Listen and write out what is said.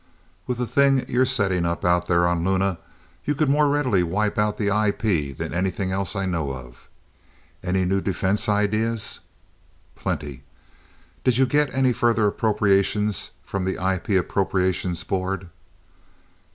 "With the thing you're setting up out there on Luna, you could more readily wipe out the IP than anything else I know of. Any new defense ideas?" "Plenty. Did you get any further appropriations from the IP Appropriations Board?"